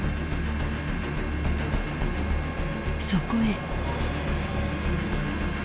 ［そこへ］